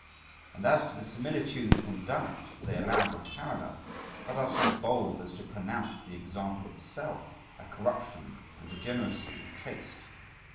And as to the similitude from diet, they allow the parallel, but are so bold as to pronounce the example itself a corruption and degeneracy of taste.